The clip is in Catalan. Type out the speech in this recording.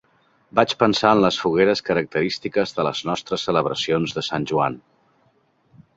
Vaig pensar en les fogueres característiques de les nostres celebracions de Sant Joan.